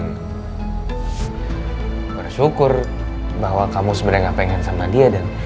saya bersyukur bahwa kamu sebenarnya gak pengen sama dia dan